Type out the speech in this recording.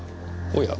おや？